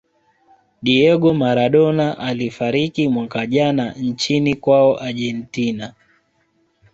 diego maradona alifariki mwaka jana nchini kwao argentina